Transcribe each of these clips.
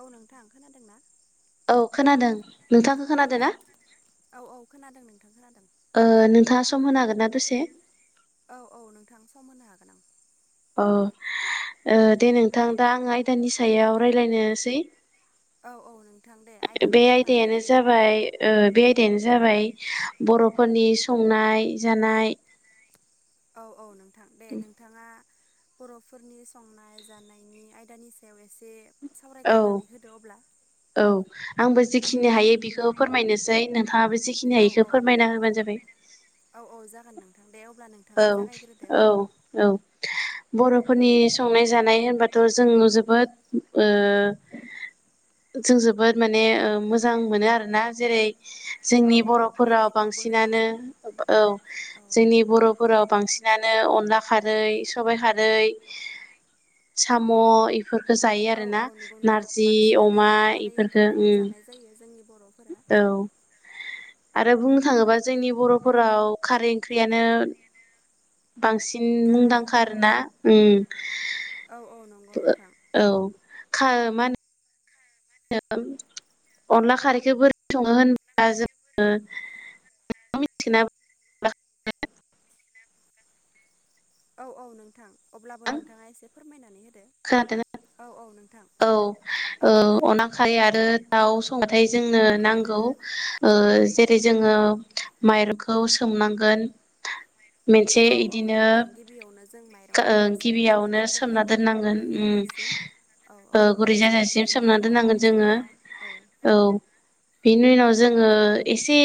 औ नोंथाङ ओं खोनादोंना नोंथांखो खोनादों ना औ औ खोनादों नोंथां खोनादों ओ नोंथाङा सम होनो हागोनना दसे औ औ नोंथां सम होनो हागोन आं अह ओ दे नोंथां दा आं आयदानि सायाव रायलायनोसै औ औ नोंथां दे आयदाखौ बे बुंनानै आयदायानो होदो। जाबाय ओ बे आयदायानो जाबाय बरफोरनि संनाय जानाय औ औ नोंथां दे नोंथाङा बरफोरनि संनाय जानायनि आयदानि सायाव एसे औ सावरायग्रोनानै होदो अब्ला औ आंबो जेखिनि हायो बेखौ फोरमायनोसै नोंथां नोंथाङाबो जेखिनि औ हायो बेखौ औ फोरमायना होबानो जाबाय औ औ जागोन नोंथां दे अब्ला नोंथाङा औ जागायग्रोदो। औ औ बरफोरनि संनाय जानाय होनबाथ जों जोबोद ओ जों जोबोद माने ओ मोजां मोनो आरोना जेरै औ जोंनि औ बरफोराव बाख्नायथावबो बांसिनानो होननांगोन औ औ जोंनि बर बांसिनानो अनलाखारै सबायखारै साम' इफोरखौ जायो औ आरो ना औ नंगौ नोंथां नारजि बांसिनानो अमा खारै ओंख्रिखौ इफोरफोरखो‌ उम जानाय जायो जोंनि बर'फोरा औ आरो बुंनो थाङोबा जोंनि बरफोराव खारै ओंख्रियानो बांसिन गाहाय मुंदांखा औ आरो ना औ उम औ औ नंगौ नोंथां औ खा मा होनो अनला खारैखो बोरै सङो होनबा जोङो [unintelligible] औ औ नोंथां अब्लाबो नोंथाङा एसे फोरमायनानै होदो खोनादों औ औ नोंथां औ औ ओ खोनादों नोंथां अनाखारै आरो दाव संबाथाय जोंनो नांगौ ओ जेरै जोङो माइरंखौ सोम नांगोन औ औ नोंथां गिबियावनो जों ओ माइरंखौ सोमनानै गिबियावनो सोमना दोनग्रोनांगोन दोननांगोन गुरै उम जाजासिम औ औ ओ गुरै जाजासिम बेनि सोमना उनावहाय दोननांगोन जोङो जेब्ला औ बेनि उनाव जोङो एसे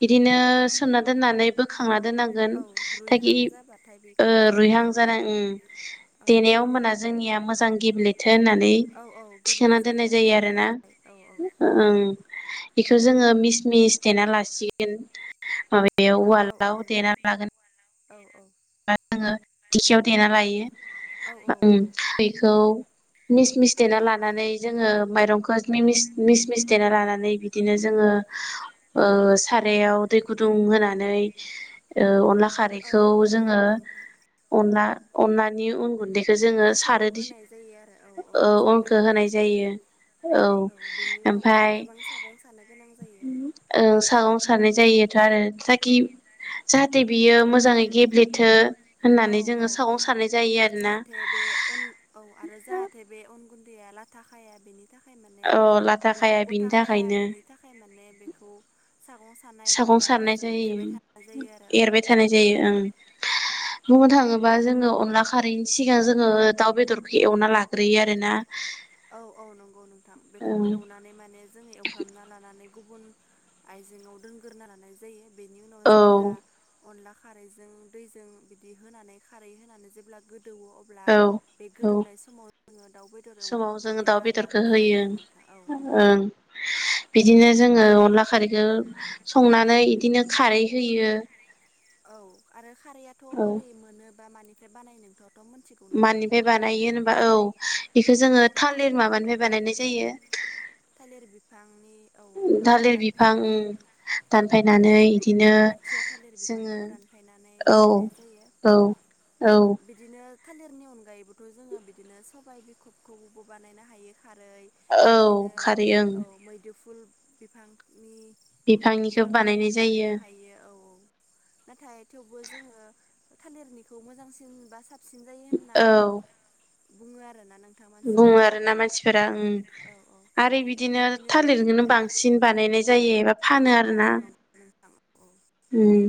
बिदिनो सोमना दोननानै बोखां खांना दोननांगोन औ थाखि रुइहां जाबाथाय ओ बेखौ रुइहां बोखांनानै जानाय उम औ देनायाव ओमबाना जोंनिया मोजां गेब्ले थो होननानै औ औ गोरलै थिखांना दोननाय आरो जायो देरनो आरोना थाखाय औ औ ओं बेखौ जोङो मिस मिस देना लासिगोन माबायाव बे औ औ उवालाव नोंथां देना लागोन। [inaudible] बा जोङो दिंखियाव देना लायो औ उम बेखौ मिस मिस देना लानानै जोङो माइरंखौ मिस मिस देना लानानै बिदिनो जोङो ङो ओ सारायाव दै गुदुं‌ होनानै ओ अनलाखा औ खारैखौ औ जोङो नंगौ नोंथां अनला अनलानि अन गुन्दै अनखौ होनाय जायो आरो औ औ सारना होनाय जायो। औ बेनि उनाव माने ओमफाय गोबां सागं सानो गोनां जायो ओ सागं सानाय जायोथ' आरो जाखि जाहाथे बियो मोजाङै गेब्लेथो औ होननानै जोङो औ औ सागं सारनाय जायो आरोना जाहाथे बे अन औ आरो जाहाथे बे अन गुन्दैया लाथा खाया बेनि थाखाय माने औ लाथा बेखौ खाया बिनि गथाखाया थाखायनो बेनि थाखाय माने बेखौ सागं सानाय बा सागं सानाय गारबाजों एरबाय थानाय जायो आरो एरबाय थानाय जायो ओं बुंनो थाङोबा जोङो अनला खारैनि सिगां जोङो दाउ बेदरखौ एवना लाग्रोयो आरो ना। औ औ नंगौ नोंथां बेखौ ओं एवनानै माने जोङो एवफ्रामना लानानै गुबुन आइजेंयाव दोनग्रोना लानाय जायो बेनि उनाव औ जेब्ला अनला खारैजों दैजों बिदि होनानै खारै होनानै जेब्ला गो गोदौवो अब्ला औ बे औ गोदौनाय समाव जोङो दाउ बेदर एवनाय समाव जोङो दाउ बेदरखौ होयो ओ औ बिदिनो जोङो अनला खारैखौ संनानै इदिनो खारै होयो। औ आरो खारैयाथ' औ बोरै मोनोबा मानिफ्राय बानाय नोंथ' मानिफाय बानायो होनबा औ बेखौ जोङो थालिर माबानिफ्राय बानायनाय जायो। थालिर बिफांनि औ [unintelligible] ओम बिफांखौ थालिर बिफां दानफायनानै दानफायनानै इदिनो खुथिया थालिर जोङो बिफांखौ दानफायनानै बानायनाय औ जायो औ औ बिदिनो- थालिरनि अनगायैबोथ' जोङो बिदिनो सबाय बिखबखौबो बानायनो हायो। खारै बिदिनो जायो ओं बे फुल बिफांखोनि बिफांनिखौ बिफांखौबो बानायनाय जायो बानायनो हायो औ औ नाथाय थेवबो जोङो थालिरनिखौ मोजांसिन बा साबसिन जायो होनना औ बुङो आरोना नों बुङो आरो ना मानसिफोरा ओ आर औ औ फ्राय बिदिनो थालिरजोंनो बांसिन बानायनाय जायो एबा फानो औ आरो औ ना नंगौ नोंथां औ उम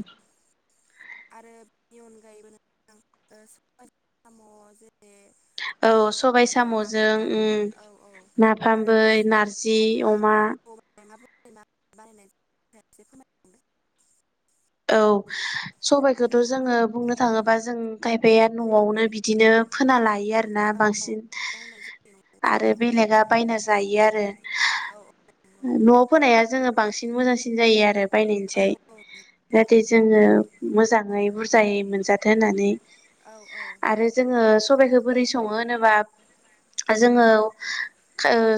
आरो बेनि अनगायैबो नोंथां ओ जेरै [unintelligible] बिदिनो सबाय आरो साम'जों नाफाम उम औ औ आरो नारजि अमा बेफोर मा बानायनाय एसे फोरमायदों। औ सबायखौथ' जोङो बुंनो थाङोबा जों खायफाया न'आवनो बिदिनो फोना लायो आरो ना औ बांसिन मावनाय जायो न'आवनो आरो औ। बेलेगा बायना जायो आरो औ नंगौ नोंथां न'आव फोनाया जोङो बांसिन मोजांसिन जायो आरो औ बायनायनिसाय औ नंगौ नोंथां जाहाथे जोङो मोजाङै बुरजायै मोनजाथों होननानै औ औ आरो जोङो सबाइखौ बोरै सङो होनोबा जोङो ओ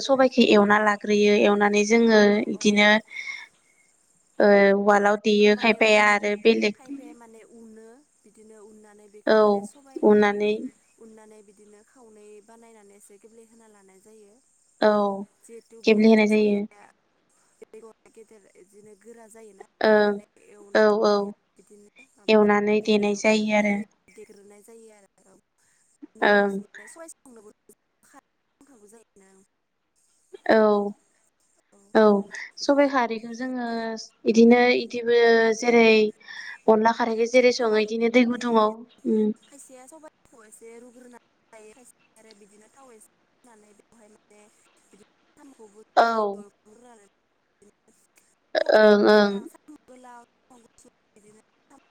सबाइखौ एवना लाग्रोयो एवनानै जोङो औ औ। इदिनो ओ उवालाव बेखौ देयो माने खायफा या आरो उन बेलेग खायफाया माने उनो बिदिनो उननानै बेखौ औ माने सबायखौ उननानै माने उननानै बिदिनो खावनै बानायनानै एसे गेब्लेहोना लानाय जायो औ गेब्ले होनाय जायो बेगरआ गेदेर बिदिनो गोरा जायो औ औ औ बिदिनो माबा एवनानै देनाय जायो आरो जनि उनावसो सनो [unintelligible] जायोना औ औ सबाइ बिदिनो हारिखौ जोङो इदिनो इदिबो जेरै अनला खारिजि सबाय खैया औ खायसेया सबायखौ एसे रुग्रोना आरो बिदिनो थावै एसेहोनानै बेवहाय माने बिदिनोखौ औ आरो ओं ओं [unintelligible]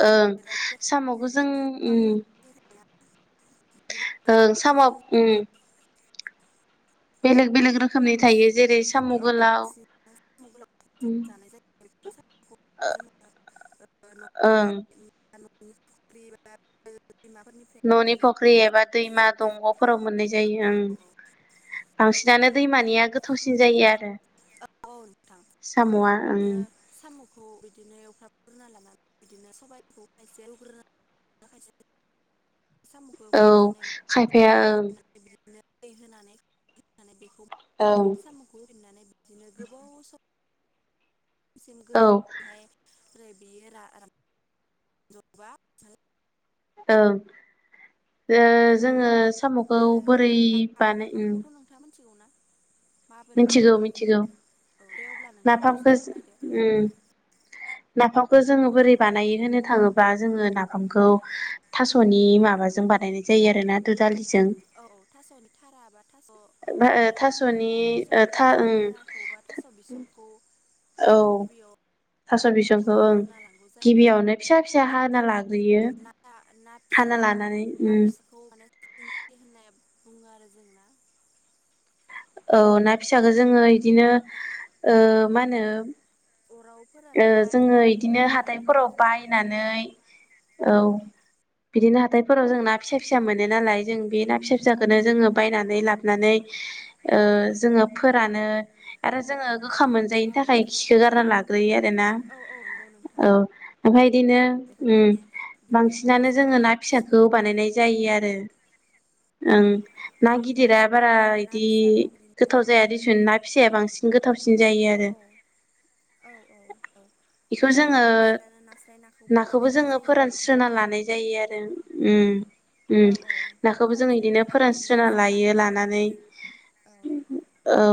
साम' ओं लादाय जायखौ साम'बो बुङो जों बिदिनो गोबां रोखोमनि थायोना बिदिनो ओ साम' बांसिन ब जोंनि बेनो बेलेग रोखोमनि थायो जेरै बांसिन सामु औ गोलाव बांसिन साम' गोलावखौ जों जानाय जायो बेफोर ओं न'खरनि नि फख्रि न'नि फख्रि एबा दैमा जायो नोंथां दंग'फोराव मोननाय औ जायो औ आं औ बांसिनानो दैमानिया गोथावसिन जायो आरो औ औ नोंथां साम'आ ओं आरो साम' खौ बिदिनो एवख्राबग्रोना लानानै बिदिनो सबाइखौ खायसे एवग्रोनानै [unintelligible] साम'खौ औ खायफाया ओं होफ्रामनानैफनानै बिदिनो दै होनानै बेखौ ओं फिननानै बिदिनो गोबाव सम सिम औ ओं गोदौनानैहाय ओमफ्राय बियो आराम दबा औ जोङो सामुखौ बोरै बानो थिना मिथिगौ मिथिगौ औ दे अब्ला नोंथाङा एसे नाफामखौ फोरमायदो उम नाफाम खौ जोङो बोरै बानाय होनो थाङोब्ला जोङो नाफामखौ थास'नि माबाजों बानायनाय जायो जायो आरोना दुजालि औ औ थास'नो थारा बा थास' औ बेखौ थास'नि थास' ओ था स'दुदालिनि ओं थाराखौ बा थास' बिसंखौ औ गिबियाव थास' बिसंखौ ओं हाग्रोना लांगौ जायो गिबियावनो फिसा फिसा हाना लागोन ना फिसा औ ना उम फिसाखौ माने होननाय बुङो आरो जोंना औ ना फिसाखौ जोङो बिदिनो मा होनो अराव फोरानलाय जोङो सान्दुंआव इदिनो फोरानलाय हाथायफोराव बिदिनो बायनानै औ बिदिनो हाथायफोराव जों ना फिसा फिसा मोनो नालाय जों बे ना फिसा फिसाखौ नो जोङो औ बायनानै औ नंगौ लाबनानै नोंथां जोङो फोरानो आरो जोङो गोखा मोनजायैनि औ औ थाखाय खिखौ गारना लाग्रोयो आरोना औ औ नंगौ नोंथां औ ओमफ्राय बिदिनो बेखौ उम गिबियाव माने बांसिनानो जोङो साफायै ना फिसाखौ बासिग्रोनाय बानायनाय जायो आरो ओं ना औ गिदिरा बारा ना इदि फिसाखौ बिदिनो गोथाव जाया दिसुन ना फिसाया बांसिन थावसिन जायो औ आरो औ औ बेखौ बिदिनो जोङो बांसिनानो नास्राय नाखौबो बानायनाय जोङो जायोना नोंथां फोरानस्रोना लानाय जायो आरो। उम उम औ औ नाखौबो जों बिदिनो रानस्रोनानै फोरानस्रोनना एसे लायो रानदब लानानै होनानै औ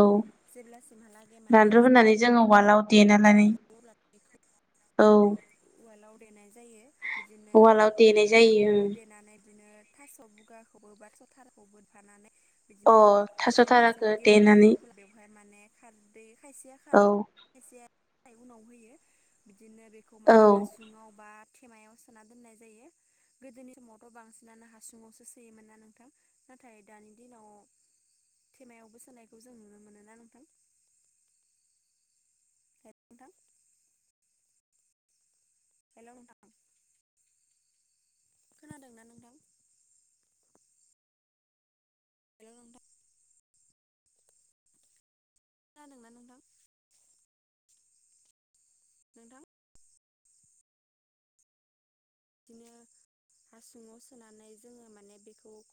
सिलला सिमहालाे माने रानद्रब होनानै जोङो उवालाव देना एसे लाना रानदब अब्ला बेखौ औ उवालाव देनाय जायो बिदिनो उवालाव देनाय जायो नाखौबो देनानै बिदिनो थास' बुगाखौबो बा थथालखौबो होफानानै अ बिदिनो थास' जेब्लासिम थाराखौ गेब्लेहैयो देनानै अब्ला बेवहाय माने खारदै खायसेया औ खारदै उनाव होयो बिदिनो बेखौ माने औ हासुङाव बा थेमायाव सोना दोननाय जायो गोदोनि समावथ' बांसिनानो हासुुंआवसो सोयोमोन ना नोंथां? नाथाय दानि दिनाव थेमायावबो सोनायखौ जों नुनो मोनोना नोंथां? नोंथां हेलौ नोंथां खोनादोंना नोंथां हेलौ नोंथां खोनादोंना नोंथां नोंथां बिदिनो हासुङाव सोनानै जोङो माने बेखौ